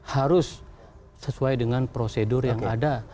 harus sesuai dengan prosedur yang ada